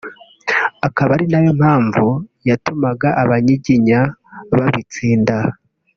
akaba ari nayo mpamvu yatumaga Abanyiginya babitsinda